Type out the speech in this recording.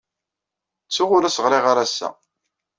Ttuɣ ur as-ɣriɣ ara ass-a.